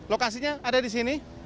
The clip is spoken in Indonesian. lokasinya ada di sini